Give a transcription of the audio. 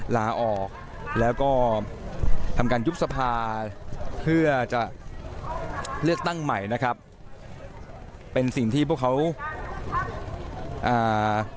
ลาออกแล้วก็ทำการยุบสภาเพื่อจะเลือกตั้งใหม่นะครับเป็นสิ่งที่พวกเขาอ่า